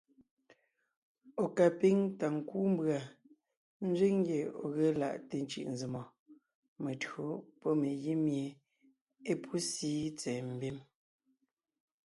Ɔ̀ ka píŋ ta kúu mbʉ̀a nzẅíŋ ngye ɔ̀ ge laʼte cʉ̀ʼnzèm gù metÿǒ pɔ́ megǐ mie é pú síi tsɛ̀ɛ mbim.s.